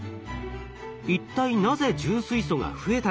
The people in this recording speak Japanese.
一体なぜ重水素が増えたのか？